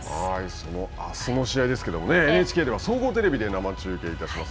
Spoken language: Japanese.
そのあすの試合ですけれども、ＮＨＫでは総合テレビで生中継いたします。